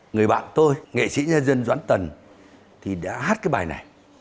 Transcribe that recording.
người bạn tôi nghệ sĩ nhân dân doãn tần thì đã hát cái bài này